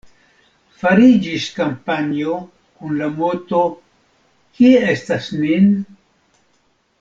Fariĝis kampanjo kun la moto: «Kie estas Nin?».